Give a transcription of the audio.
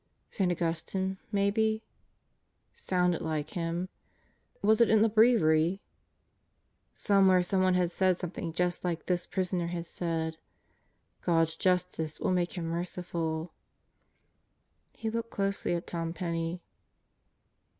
St. Augustine maybe. Sounded like him. Was it in the Breviary? Somewhere someone had said something just like this prisoner had said: "God's justice will make Him merciful.' 3 He looked closely at Tom Penney.